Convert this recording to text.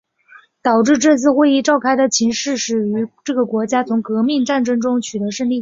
导致这次会议召开的情势始于这个国家从革命战争中取得胜利。